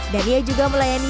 dan ia juga melayani